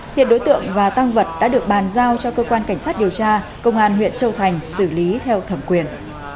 hiện đối tượng và tăng vật đã được bàn giao cho cơ quan cảnh sát điều tra công an huyện châu thành xử lý theo thẩm quyền